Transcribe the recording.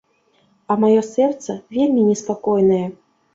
А маё сэрца вельмі неспакойнае.